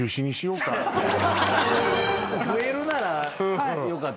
増えるならよかった。